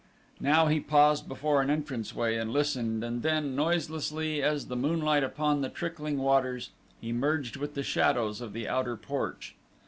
Now he paused before an entrance way and listened and then, noiselessly as the moonlight upon the trickling waters, he merged with the shadows of the outer porch.